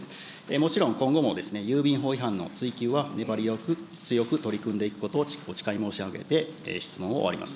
もちろん今後も郵便法違反の追及は粘り強く取り組んでいくことをお誓い申し上げて、質問を終わります。